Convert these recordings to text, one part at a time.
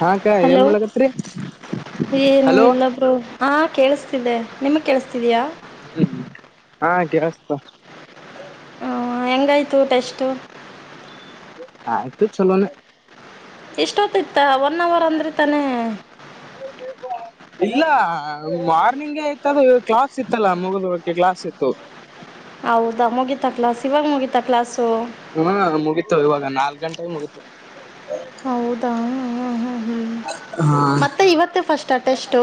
ಹಾ ಅಕ್ಕ ಏನ್ ಹಲೋ ಮಾಡಕತ್ರಿ ಏನು ಹಲೋ ಇಲ್ಲ ಬ್ರೋ. ಹಾಂ ಕೇಳಿಸ್ತಿದ್ದೆ ನಿಮಗೆ ಕೇಳಿಸ್ತಿದಯಾ. ಹ್ಮ್ ಹಾ ಕೇಳ್ಸ್ತದ. ಹ ಹೆಂಗಾಯ್ತು ಟೆಸ್ಟು. ಆಯ್ತು ಚಲೋಣ. ಇಷ್ಟೊತ್ತ ಇತ್ತ ಒನ್ ಅವರ್ ಅಂದ್ರೆ ತಾನೇ. [inaudible] ಇಲ್ಲ ಮಾರ್ನಿಂಗ್ಗೆ ಆಯತ ಅದು ಕ್ಲಾಸ್ ಇತ್ತಲ್ಲ ಮುಗದ ಹಳಕ್ಕೆ ಕ್ಲಾಸ್ ಇತ್ತು. ಹೌದಾ ಮುಗಿತಾ ಕ್ಲಾಸ್ ಇವಾಗ ಮುಗಿತ ಕ್ಲಾಸು. ಹಾ ಮುಗೀತು ಇವಾಗ ನಾಲ್ಕಕ್ ಗಂಟೆಗೆ ಮುಗೀತು. ಹೌದಾ ಹಾ ಹಾ ಹ್ಞೂ ಹಾ ಮತ್ತೆ ಇವತ್ತೇ ಫಸ್ಟ್ ಟೆಸ್ಟು.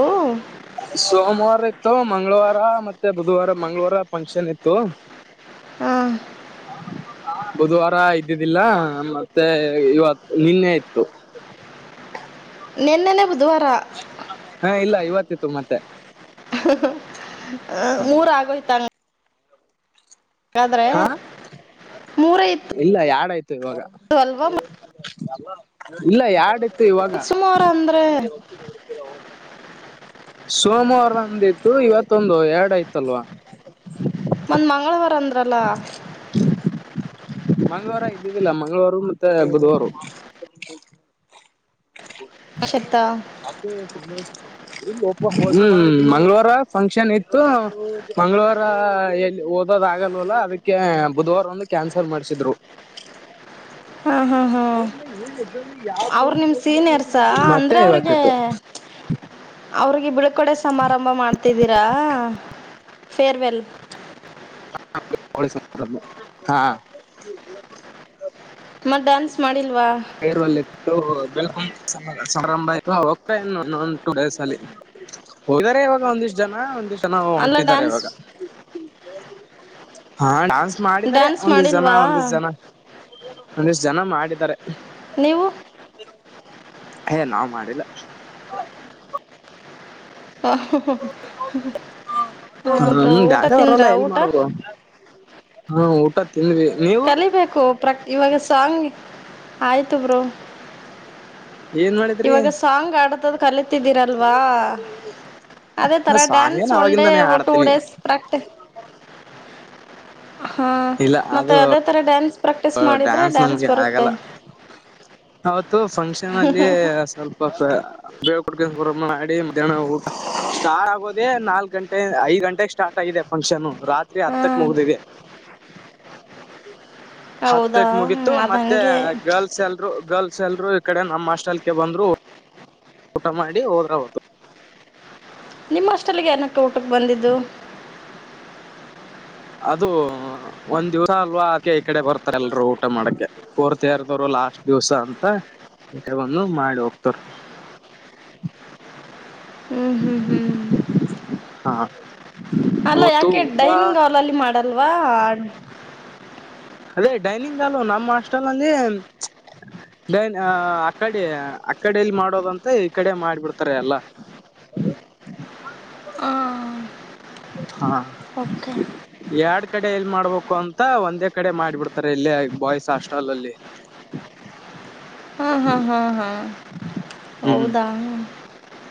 ಸೋಮವಾರ ಇತ್ತು ಮಂಗಳವಾರ ಮತ್ತೆ ಬುಧವಾರ ಮಂಗಳವಾರ ಫಂಕ್ಷನ್ ಇತ್ತು. ಹಾಂ ಬುಧವಾರ ಇದ್ದಿದ್ದಿಲ್ಲ ಮತ್ತೆ ಇವತ್ತು ನಿನ್ನೆ ಇತ್ತು. ನಿನ್ನೆನೆ ಬುಧವಾರ. ಹಾ ಇಲ್ಲ ಇವತ್ತಿತ್ತು ಮತ್ತೆ. ಮೂರ ಆಗೋಯ್ತಂಗ ಹಾ ಮೂರೇ ಇತ್ತು ಇಲ್ಲ ಯಾಡಾಯ್ತು ಇವಾಗ. [inaudible] ಇಲ್ಲ ಯಾಡ ಇತ್ತು ಇವಾಗ. ಅಂದ್ರೆ. ಸೋಮವಾರ ನಂದಿತ್ತು ಇವತ್ತೊಂದು ಎರಡ್ ಆಯತಲ್ವಾ. ಮಂದ್ ಮಂಗಳವಾರ ಅಂದ್ರಲ್ಲ. ಮಂಗಳವಾರ ಇದ್ದಿದ್ದಿಲ್ಲ ಮಂಗಳವಾರ ಮತ್ತೆ ಬುಧವಾರ. [inaudible] [inaudible] ಹ್ಮ್ ಮಂಗಳವಾರ ಫಂಕ್ಷನ್ ಇತ್ತು ಮಂಗಳವಾರ ಎಲ್ಲಿ ದ್ ಆಗಲ್ವಲ್ಲ ಅದಕ್ಕೆ ಬುಧವಾರ ಒಂದು ಕ್ಯಾನ್ಸಲ್ ಮಾಡ್ಸಿದ್ರು. ಹಾ ಹಾ ಹಾ. ಸೀನಿಯರ್ಸ [inaudible] ಅಂದ್ರೆ ಮತ್ತೆ ಅವ್ರಿಗೆ ಇವತಿತ್ತು. ಅವ್ರಿಗೆ ಬಿಳ್ಕೊಡೊ ಸಮಾರಂಭ ಮಾಡ್ತಿದ್ದೀರಾ. ಫೇರ್ವೆೆಲ್. [inaudible] ಹಾ. [inaudible] ಮತ್ತ ಡಾನ್ಸ್ ಮಾಡಿಲ್ವಾ. ಫೈರ್ವೇಲ್ ಇತ್ತು ಬೆಳ್ಕೊಂಡ ಸಮಾರಂಭ ಆಯ್ತು ಹೋಗ್ತಾ ಇನ್ನು ಒ ಟು ಡೇಸ್ ಅಲ್ಲಿ. ಹೋದಾರೆ ಇವಾಗ ಒಂದಿಷ್ಟ್ ಜನ ಒಂದಿಷ್ಟ್ ಜನ ಅಲ್ಲ ಹೊಂಟಿದ್ದಾರೆ ಡ್ಯಾನ್ಸ್ ಇವಾಗ. ಹಾ ಡಾನ್ಸ್ ಮಾಡಿದಿದ್ದಾರೆ ಡ್ಯಾನ್ಸ್ ಒಂದಷ್ಟ ಜನ ಮಾಡಿಲ್ವಾ ಒಂದಿಷ್ಟ್ ಜನ. ಒಂದಿಷ್ಟ್ ಜನ ಮಾಡಿದ್ದಾರೆ. ನೀವು. ಏ ನಾವ್ ಮಾಡಿಲ್ಲ. ಹ್ಮ ಹ್ರ ಊಟ ಡ್ಯಾನ್ಸ ತಿಂದ್ರ ಊಟ. ಹಾ ಊಟ ತಿಂದ್ವಿ ನೀವು. ಬೇಕು ಪ್ರ ಇವಾಗ ಸಾಂಗ್ ಆಯ್ತು ಬ್ರೋ. ಏನ್ ಮಾಡಿದ್ರಿ ಇವಾಗ ಸಾಂಗ್ ಆಡತದ ಕಲಿತಿದ್ದೀರಲ್ವಾ. ಅದೇ ನಾ ತರ ಡ್ಯಾನ್ಸ್ ಸಾಂಗೇನ್ ಒನ್ ಡೇ ಅವಾಗಿಂದಾನೇ ಟೂ ಆಡ್ತೀನಿ ಡೇಸ್ ಪ್ರಾಕ್ಟಿಸ್ ಹಾ ಇಲ್ಲ ಮತ್ತೆ ಅದು ಅದೇ ತರ ಡ್ಯಾನ್ಸ್ ಪ್ರಾಕ್ಟೀಸ್ ಮಾಡಿದರೆ ಡ್ಯಾನ್ಸ್ ನಮ್ಗೆ ಬರುತ್ತೆ ಆಗಲ್ಲ ಅವತ್ತು ಫಂಕ್ಷನ್ ಅಲ್ಲಿ ಸ್ವಲ್ಪ [unintelligible] ಬೇಳ್ ಕುಡ್ಕುರ ಮಾಡ ಮಧ್ಯಾಹ್ನ ಊ ಸ್ಟಾರ್ಟ್ ಆಗೋದೆೇ ನಾಲ್ಕ್ ಗಂಟೆ ಐದ್ ಗಂಟೆಗೆ ಸ್ಟಾರ್ಟ್ ಆಗಿದೆ. ಫಂಕ್ಷನ್ ರಾತ್ರಿ ಹತ್ತಕ್ ಹಾಂ ಮುಗಿದಿದೆ. ಹೌದಾ ಹತ್ತಕ್ ಮುಗಿತತ್ತು ಹ್ಮ್ ಅದ್ ಮತ್ತೆ ಹಂಗೆ ಗರ್ಲ್ಸ್ ಎಲ್ರು ಗರ್ಲ್ಸ್ ಎಲ್ರುೂ ಈ ಕಡೆ ನಮ್ಮ್ ಆಸ್ಟೆಲ್ ಕೆ ಬಂದ್ರು. ಊಟ ಮಾಡಿ ಹೋದ್ರ ಅವ್ರು. ನಿಮ್ಮ ಅಸ್ಟೆಲಗೆ ಏನಕ್ಕೂ ಊಟಕ್ಕೆ ಬಂದಿದ್ದು. ಅದು ಒಂದ್ ದಿವ್ಸ ಅಲ್ವಾ ಆಕೆ ಈ ಕಡೆ ಬರ್ತಾರಲ್ರ ಊಟ ಮಾಡಕೆ. ಪೋರ್ತಯಾರದರು ಲಾಸ್ಟ್ ದಿವ್ಸ ಅಂತ ಕೆಂದು ಮಾಡಿ ಹೋಗ್ತರ. ಹ್ಮ್ ಹ್ಮ್ ಹ್ಮ್ [inaudible] ಹಾ. ಅಲ್ಲ ಅವತ್ತು ಯಾಕೆ ಊಟ ಡೈನಿಂಗ್ ಹಾಲಲ್ಲಿ ಮಾಡಲ್ವಾ. ಅದೇ ಡೈನಿಂಗ್ ಹಾಲು ನಮ್ಮ ಹಾಸ್ಟೆಲ್ ನಲ್ಲಿ. ಡೈನ್ ಆ ಕಡೆ ಆ ಕಡಲಿ ಮಾಡೋದಂತ ಈ ಕಡೆ ಮಾಡಿಬಿಡ್ತಾರೆ ಎಲ್ಲ. ಹಾ. ಓಕೆ. ಎರಡ್ ಕಡೆ ಎಲ್ ಮಾಡ್ಬೇಕು ಅಂತ ಒಂದೇ ಕಡೆ ಮಾಡಿಬಿಡ್ತಾರೆ ಇಲ್ಲೇ ಬಾಯ್ಸ್ ಹಾಸ್ಟೆಲ್ ಅಲ್ಲಿ. ಹ್ಮ್ ಹ್ಮ್ ಹ್ಮ್ ಹ್ಮ್ ಹೌದಾ.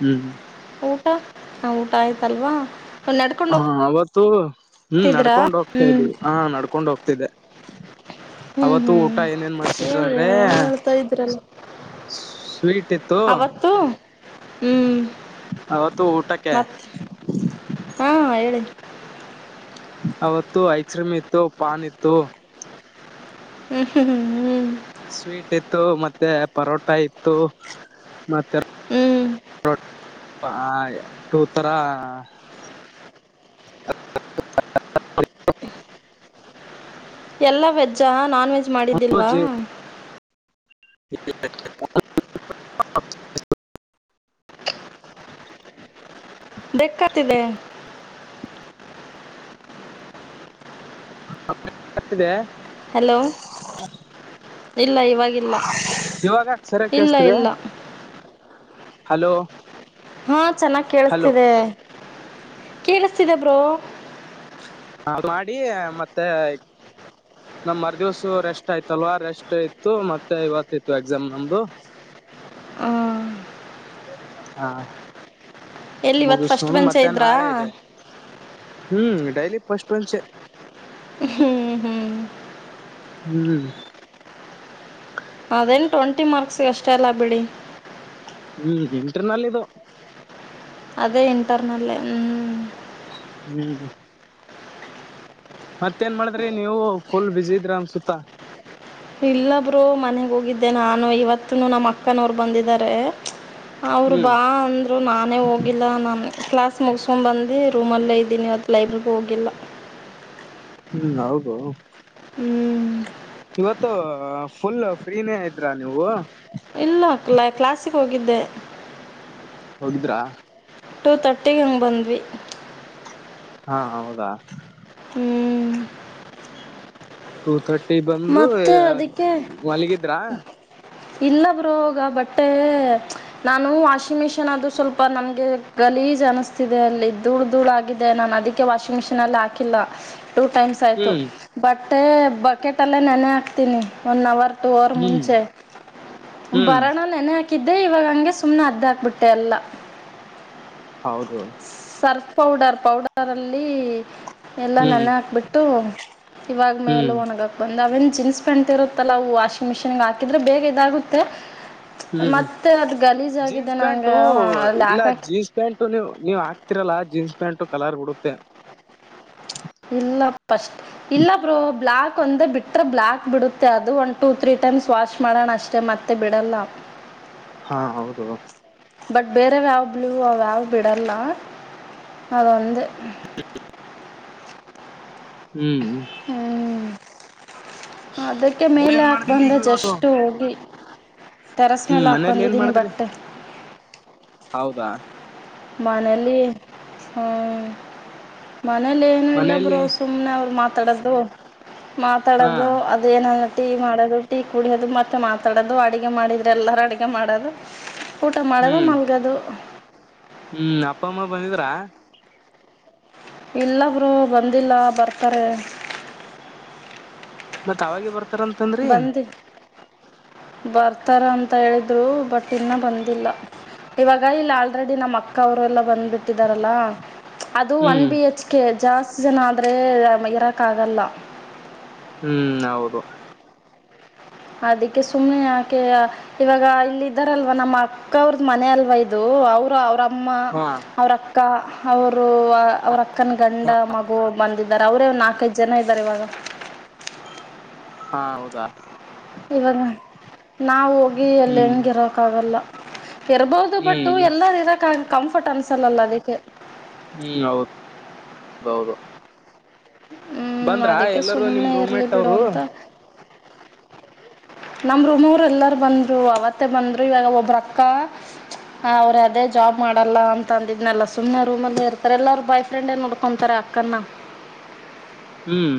ಹ್ಮ್. ಊಟ ನಾ ಊಟ ಆಯ್ತಲ್ವಾ. ನಡ್ಕೊಂಡು ಹಾ ಅವತ್ತು ಹ್ಮ್ ಹೋಗ್ತಿದ್ದೀರಾ ನಡ್ಕೊಂಡ್ ಹೋಗ್ತಾ ಹ್ಮ್ ಇದ್ವಿ. ಹಾ ನಡ್ಕೊಂಡ್ ಹೋಗ್ತಿದ್ದೆ ಹ್ಮ್ ಅವತ್ತು ಊಟ ಏನೇನ್ ಮಾಡ್ಸಿದ್ರ ಅಂದ್ರೆ. ಮಾಡ್ತಾ ಇದ್ರಲ್ಲ ಸ್ವೀಟ್ ಟ್ಟಿತ್ತು ಅವತ್ತು ಹ್ಮ್ ಅವತ್ತು ಊಟಕ್ಕೆ. ಹಾ ಹೇಳಿ. ಅವತ್ತು ಐಸ್ ಕ್ರೀಮ್ ಇತ್ತು ಪಾನ ಇತ್ತು. [unintelligible] ಸ್ವೀಟ್ ಇತ್ತು ಮತ್ತೆ ಪರೋಟಾ ಇತ್ತು ಮತ್ತೆ ಹ್ಞೂ ಆ ಟು ತರಾ. ಎಲ್ಲ ವೆಜ್ಜಾ ನಾನ್ ವೆಜ್ ಮಾಡಿದ್ದಿಲ್ವಾ. [inaudible] [unintelligible] ಹಲೋ [inaudible] ಇಲ್ಲ ಇವಾಗಿಲ್ಲ ಇವಾಗ ಸರಿಯಾಗ ಇಲ್ಲ ಕೇಳಸ್ತದೆ. ಇಲ್ಲ ಹಲೋ. ಹಾ ಚೆನ್ನಾಗ ಹಲೋ ಕೇಳಿಸ್ತಿದೆ ಕೇಳಿಸ್ತಿದೆ ಬ್ರೋ. ಅದ ಮಾಡಿ ಮತ್ತೆ. ನಮ್ ಮರ್ ದಿವ್ಸ ರೆಸ್ಟ್ ಆಯ್ತಲ್ವಾ ರೆಸ್ಟ್ ಇತ್ತು ಮತ್ತೆ ಇವತ್ತ ಇತ್ತು ಎಕ್ಸಾಮ್ ನಮ್ದು ಹ ಹಾ ಎಲ್ಲಿ ಇವತ್ತು ಫಸ್ಟ್ ಮುಗಿಸಕೊಂಡು ಬೆಂಚೆ ಮತ್ತೆ ಇದ್ರಾ ನಾಳೆ ಇದೆ. ಹ್ಮ್ ಡೈಲಿ ಪಸ್ಟ್ಲ್ ಬೆಂಚ್ ಹ್ಞೂ ಹ್ಞೂ ಹ್ಮ್. ಅದೇನು ಟ್ವೆಂಟಿ ಮಾರ್ಕ್ಸಿಗೆ ಅಷ್ಟೇ ಅಲ್ಲ ಬಿಡಿ. ಹ್ಮ್ ಇಂಟರ್ನಲ್ ಇದು. ಅದೇ ಇಂಟರ್ನಲ್ ಹ್ಮ್... ಹ್ಮ.. ಮತ್ತೇ ಏನ್ ಮಾಡಿದ್ರಿ ನೀವು ಫುಲ್ ಬ್ಯುಸಿ ಇದ್ರಿ ಅನ್ಸುತ್ತ. ಇಲ್ಲ ಬ್ರೋ ಮನೆಗೆ ಹೋಗಿದ್ದೆ ನಾನು ಇವತ್ತು ನಮ್ಮ ಅಕ್ಕನವ್ರು ಬಂದಿದ್ದಾರೆ. ಅವರು ಹ್ಮ್ ಬಾ ಅಂದರು ನಾನೇ ಹೋಗಿಲ್ಲ ನಾನು. ಕ್ಲಾಸ್ ಮುಗಸ್ಕೊಂಡು ಬಂದು ರೂಮಲ್ಲೇ ಇದ್ದೀನಿವತ್ತು ಲೈಬ್ರರಿಗೆ ಹೋಗಿಲ್ಲ. ಹ್ಮ್ ಹೌದು. ಹ್ಞೂ ಇವತ್ತು ಫುಲ್ ಫ್ರೀನೇ ಇದ್ರಾ ನೀವು. ಇಲ್ಲ ಕ್ಲಾಸಿಗೆ ಹೋಗಿದ್ದೆ. ಹೋಗಿದ್ರಾ. ಟೂ ತರ್ಟಿಗೆ ಹಂಗೆ ಬಂದ್ವಿ. ಹಾ ಹೌದಾ. ಹ್ಮ್ ಟೂ ತರ್ಟಿ ಬಂದು ಮತ್ತೆ ಅದಕ್ಕೆ ಮಲಗಿದ್ರಾ. ಇಲ್ಲ ಬ್ರೋಗ ಬಟ್.... ನಾನು ವಾಷಿಂಗ್ ಮಿಷಿನ್ ಅದು ಸ್ವಲ್ಪ ನನ್ಗೆ ಗಲೀಜ್ ಅನಿಸ್ತಿದೆ ಅಲ್ಲಿ ಧೂಳ ಧೂಳ ಆಗಿದೆ ನಾನು ಅದಿ. ವಾಷಿಂಗ್ ಮಿಷಿನ್ ಅಲ್ಲಿ ಹಾಕಿಲ್ಲ ಟೂ ಟೈಮ್ಸ್. ಆಯ್ತು ಹ್ಮ್ ಬಟ್ಟೆ ಬಕೆಟ್ ಅಲ್ಲೇ ನೆನೆ ಹಾಕ್ತೀನಿ ಒನ್ ಅವರ್. ಒನ್ ಅವರ್ ಹ್ಮ್ ಮುಂಚೆ ಹ್ಮ್ ಬರೋಣ ನೆನ ಹಕೂ. ಹಾಕಿದ್ದೆ ಇವಾಗ ಹಂಗೆ ಸುಮ್ನೆ ಅರ್ಧ ಹಾಕ್ಬಿಟ್ಟೆ ಎಲ್ಲ. ಹೌದು. ಸರ್ಫ್ ಪೌಡರ್ ಪೌಡರಲ್ಲಿ. ಎಲ್ಲಾ ಹ್ಮ್ ನೆನೆ ಹಾಕ್ಬಿಟ್ಟು ಇವಾಗ ಮೇಲೆ ಹ್ಮ್ ಒಣಗಕ. ಒಂದ ಅವೇನ್ ಜೀನ್ಸ್ ಪ್ಯಾಂಟ್ ಇರುತ್ತಲ್ಲ ಅವು ವಾಷಿಂಗ್ ಮಿಷಿನ್ ಹಾಕಿದ್ರೆ ಬೇಗ ಇದಾಗುತ್ತೆ. ಹ್ಮ್ ಮತ್ತೆ ಅದ್ ಗಲೀಜ್ ಆಗಾಗಿದೆ ಜೀನ್ಸ್ ನಂಗ ಅಲ್ಲಿ ಹಾಕಿಕ. ಇ ನೀವು ನೀವ್ ಹಾಕ್ತಿರಲ್ಲ ಜೀನ್ಸ್ ಪ್ಯಾಂಟ್ ಕಲರ್ ಬಿಡುತ್ತೆ. ಇಲ್ಲ ಪಸ್ಟ್ ಇಲ್ಲ ಬ್ರೋ ಬ್ಲಾಕ್ ಒಂದ ಬಿಟ್ಟ. ಹತ್ತತ್ರ ಬ್ಲ್ಯಾಕ್ ಬಿಡುತ್ತೆ ಅದು ಒಂದು ಟೂ ತ್ರೀ ಟೈಮ್ಸ್ ವಾಶ್ ಮಾಡೋಣ ಅಷ್ಟೇ ಮತ್ತೆ ಬಿಡಲ್ಲ. ಹಾ ಹೌದು. ಬಟ್ ಬೇರೆ ಯಾವ್ಯವುಲೂ ವ್ಯವು್ ಬಿಡಲ್ಲ ಅದು ಒಂದೇ. ಹ ಹ್ಮ್ ಹ್ಮ್ ಹ್ಮ್ ಅದಕ್ಕೆ ಮೇಲೆ ಏನ್ ಹಾಕ ಮಾಡ್ರಿ ಬಂದ ನೀವು ಜಸ್ಟ್ ಹೋಗಿ. ಟೆರಸ್ ಹ್ಮ ಮೇಲೆ ಹಾಕಿ ಮನೇಯಲ್ಲಿ ಏನ್ ಬಂದಿದ್ದೀನಿ ಮಾಡಿದ್ರಿ.... ಬಟ್ಟೆ ಹೌದಾ. ಮನೇಲಿ ಹಾ ಮನೇಲಿ ಏನುೂ ಇಲ್ಲ ಮನೇಲಿ ಬ್ರಸು. ಸುನೆ ಅವರು ಮಾತಾಡದು ಹಾ ಮಾತಾಡದು. ಅದುಏನ ಟೀ ಮಾಡೋದು ಟೀ ಕುಡಿಯೋದು ಮತ್ತೆ ಮಾತಾಡೋದು ಅಡುಗೆ ಮಾಡಿದ್ರ ಎಲ್ಲರೂ ಅಡುಗೆ ಮಾಡೋದು. ಊಟ ಮಾಡದ ಹ್ಮ್ ಮಲಗೂದು. ಹ್ಮ್ ಅಪ್ಪ ಅಮ್ಮ ಬಂದಿದ್ರಾ. ಇಲ್ಲ ಬ್ರೋ ಬಂದಿಲ್ಲ ಬರ್ತಾರೆ. ಮತ್ತ್ ಅವಾಗೆ ಬರ್ತಾರಂತಂದ್ರೀ. ಬರ್ತಾರ ಅಂತ ಹೇಳಿದ್ರು ಬಟ್ ಇನ್ನೂ ಬಂದಿಲ್ಲ. ಇವಾಗ ಇಲ್ಲ ಆಲ್ರೆಡಿ ನಮ್ಮ ಅಕ್ಕ ಅವರುಲ್ಲ ಬಂದ್ಬಿಟ್ಟಿದಾರಲ್ಲಾ. ಅದು ಒನ್ ಹ್ಮ್ ಬಿ ಹೆಚ್ ಕೆ ಜಾಸ್ತಿ ಜನ ಆದ್ರೆ ಇರಕ್ ಆಗಲ್ಲ. ಹ್ಮ್ ಹೌದು. ಅದಕ್ಕೆ ಸುಮ್ಮನೆ ಯಾಕೆ - ಇವಾಗ ಇಲ್ಲೆ ಇದ್ದಾರಲ್ವ ನಮ್ಮ ಅಕ್ಕ ಅವ್ರದ ಮನೆ ಅಲ್ವಾ ಇದು ಅವರು ಅವ್ರ ಅಮ್ಮ ಹಾ ಅವರಕ್ಕ ಅಕ್ಕ ಅವರು ಅವರ ಅಕ್ಕನ ಗಂಡ ಮಗು ಬಂದಿದ್ದಾರೆ ಅವರೇ ನಾಲ್ಕೈದು ಜನಾ ಇದ್ದಾರೆ ಇವಾಗ ಹಾ ಹೌದಾ [unintelligible] ನಾವು ಹೋಗಿ ಲ್ಲಿ ಹ್ಮ್ ಹೆಂಗ ಇರಾಕ್ ಆಗಲ್ಲಾ ಇರ್ಬಹುದು ಬಟ್ಟು ಹ್ಮ್ ಎಲ್ಲಾರ ಇರಾಕ್ ಕಂಫರ್ಟ್ ಅನ್ಸಲ್ಲಲ್ಲಾ ಅದಕ್ಕೆ ಹುಂ ಹೌದು ಹೌದು ಬಂದ್ರಾ ಅದಕ್ಕೆ ಎಲ್ಲರೂ ನಿಮ್ ಸುಮ್ಮನೆ ರೂಮ ಇರಲಿ ಮೇಟ್ ಬಿಡು ಅವರು. ಅಂತ ನಮ್ ರೂಮವ್ರ ಎಲ್ಲಾರ ಬಂದ್ರು ಅವತ್ತೇ ಬಂದ್ರು ಇವಾಗ ಒಬ್ಬರ ಅಕ್ಕಾ ಹ ಅವ್ರರು ಅದೇ ಜಾಬ್ ಮಾಡಲ್ಲ ಅಂತ ಅಂದಿದ್ನಲ್ಲಾ ಸುಮ್ಮನೆ ರೂಮಲ್ಲ ಇರ್ತಾರೆ ಎಲ್ಲಾರ ಬೈ ಫ್ರೆಂಡಾ ಆಗಿ ನೋಡ್ಕೊಂತಾರೆ ಅಕ್ಕನ್ನ ಹುಂ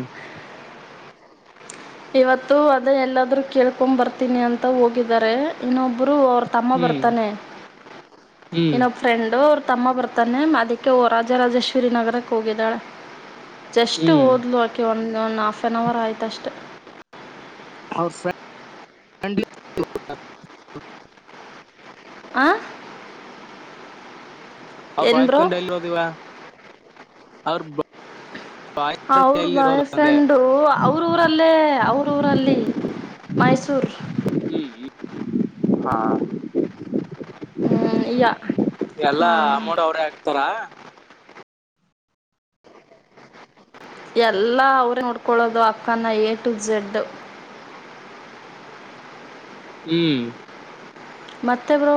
ಇವತ್ತು ಅದೇ ಎಲ್ಲಾದರೂ ಕೇಳ್ಕೊಂಡ ಬರ್ತೀನಿ ಅಂತ ಹೋಗಿದ್ದಾರೆ ಇನ್ನೊಬ್ಬರು ಅವ್ರ ತಮ್ಮಾ ಹ್ಮ್ ಬರ್ತಾನೆ ಹ್ಮ್ ಇನೊ ತ ಫ್ರೆಂಡು ಅವ್ರ ತಮ್ಮ ಬರ್ತಾನೆ ಅದಕ್ಕೆ ಓ ರಾಜರಾಜೇಶ್ವರಿ ನಗರಕ್ಕೆ ಹೋಗಿದ್ದಾಳೆ. ಜಸ್ಟ್ ಹ್ಮ್ ಹೋದ್ಲು ಆಕೆ ಒಂದ ಒಂದು ಹ ಆಫ್ ಒನ್ ಅವರ್ ಆಯ್ತ ಅಷ್ಟೆ. [unintelligible] ಫ್ರೆಂಡ್ ಆ ಅವ್ರ ಏನು ಬ್ರೋ ವೈಫೆಂಡೆಲಿ ಹೋದವಾ ಅವ್ ಅವ್ರ ಬಾಯ್ ಅಂದೆ ಫ್ರೆಂಡು ಅವ್ರ ಊರಲ್ಲೇ ಅವ್ರೂರಲ್ಲಿ ಮೈಸೂರ ರೀ ಹುಂ ಹಾ ಹ್ಮ್ ಯ [unintelligible] ಎಲ್ಲಾ ಹಾಂ ಅಮೋಂಟ ಅವ್ರೇ ಹಾಕ್ತಾರಾ ಎಲ್ಲ ಅವ್ರೇ ನೋಡ್ಕೊಳ್ಳೋದು ಅಕ್ಕನ ಎ ಟು ಝೆಡ್ ಈ ಮತ್ತೆ ಬ್ರೋ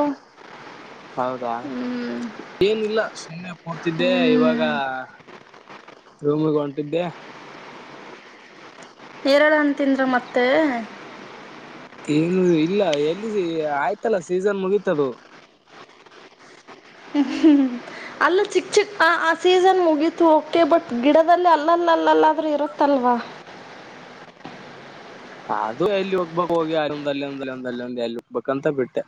ಹೌದಾ ಹ್ಞೂ ಏನಿಲ್ಲಾ ಸುಮ್ಮನೆ ಕೂತಿದ್ದೆ ಇವಾಗ ರೂಮಿಗೆ ಹೊಂಟಿದ್ದೆ ಏರಳ ಹೆಣ್ಣ ತಿಂದ್ರ ಮತ್ತೆ ತಿನ್ನು ಇಲ್ಲಾ ಎಲ್ಲಿ ಆಯ್ತಲ್ಲಾ ಸೀಸನ್ ಮುಗೀತದು ಹುಂ ಹು ಅಲ್ಲ ಚಿಕ್ಕ ಚಿಕ್ಕ ಆ ಆ ಸೀಸನ್ ಮುಗೀತು ಓಕೆ ಬಟ್ ಗಿಡದಲ್ಲಿ ಅಲ್ಲಲ್ಲ ಅಲ್ಲಲ್ಲಾದ್ರೂ ಇರುತ್ತಲ್ವಾ ಅದು ಎಲ್ಲಿ ಹೋಗ್ ಬೈಕ್ ಹೋಗಿ ಅದಲ್ಲ ಒಂದಲ್ಲ ಒಂದಲ್ಲ ಒಂದು ಎಲ್ಲಿ ಹೋಗ್ಬೇಕಕ್ಂತ ಬಿಟ್ಟೆ.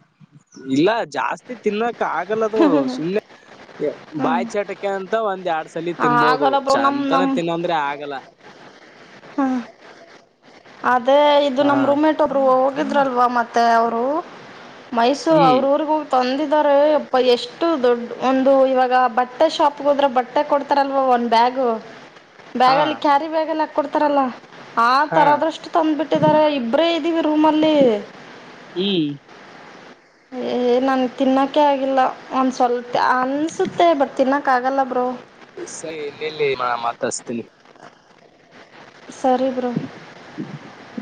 ಇಲ್ಲಾ ಜಾಸ್ತಿ ತಿನ್ನಕ್ ಆಗಲ್ಲದು ಸುಮ್ನೆ ಬಾಯಿ ಚಟಕೆ ಅಂತ ಒಂದ್ ಎರಡ್ ಲ್ಲಿ ತಿನ್ಬಹುದು ಆಗಲ್ಲ ಬ್ರೋ ನಮ್ಮ ಚೇಂತೇನ ನಮ್ಮ ತಿನ್ನಂದ್ರೆ ಆಗಲ್ಲಾ ಅದೇ ಇದು ಹಾ ನಮ್ಮ್ ರೂಮೆಟೋಬ್ರು ಹೋಗಿದ್ರಲ್ವಾ ಮತ್ತೆ ಅವರು ಮೈಸೂರು ಹ್ಮ್ ಅವ್ರವಿಗೂ ತಂದಿದ್ದಾರೆ ಎಪ್ಪಾ ಎಷ್ಟು ದೊಡ್ಡ ಒಂದು ಇವಾಗ ಬಟ್ಟೆ ಶಾಪ್ ಗೆ ಹೋದ್ರೆ ಬಟ್ಟೆ ಮತ್ತೆ ಕೊಡ್ತಾರಲ್ವಾ ಒಂದ ಬ್ಯಾಗ್ ಹಾ ಬ್ಯಾಗಲ್ಲಿ ಕ್ಯಾರಿ ಬ್ಯಾಗ ಹಾಡ್ತಾರಲ್ಲಾ ಹಾ ತರೋದಷ್ಟು ತಂದ್ಬಿಟ್ಟಿದ್ದಾರೆ ಇಬ್ಬರೇ ಇದ್ದೀವಿ ರೂಮ್ ಅಲ್ಲಿ ಇ ಏ ನಂಗ ತಿನ್ನಕೆ ಆಗಿಲ್ಲ. ಒಂದ ಸ್ವಲ್ಪ ಅನಸತ್ತೆ ಬಟ್ ತಿನ್ನಕ್ಕ ಆಗಲ್ಲ ಬ್ರೋ. ಸ ಇಲ್ಲಿಲ್ಲಿ ಮತ್ತ ಹಚ್ಚತನ. ಸರಿ ಬ್ರೋ.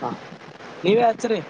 ಹ ಈಗ ಹಚ್ಚರಿ.